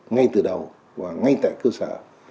ngay từ đầu và ngay tại cơ sở